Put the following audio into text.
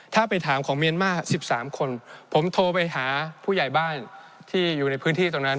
ถ้าไปถามของเมียนมาร์๑๓คนผมโทรไปหาผู้ใหญ่บ้านที่อยู่ในพื้นที่ตรงนั้น